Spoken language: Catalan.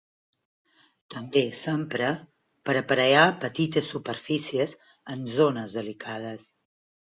També s'empra per aparellar petites superfícies en zones delicades.